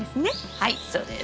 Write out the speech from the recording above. はいそうです。